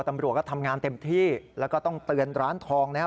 ตำรวจก็ทำงานเต็มที่แล้วก็ต้องเตือนร้านทองนะครับ